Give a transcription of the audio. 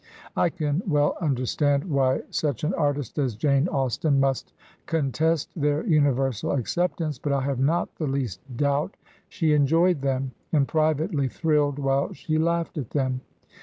I can well understand why such an artist as Jane Austen must contest their universal acceptance, but I have not the least doubt she enjoyed them, and privately thrilled while she laughed at them.